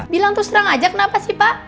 bilang terus terang aja kenapa sih pak